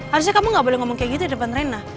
harusnya kamu gak boleh ngomong kayak gitu di depan rena